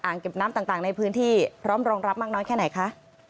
เก็บน้ำต่างในพื้นที่พร้อมรองรับมากน้อยแค่ไหนคะ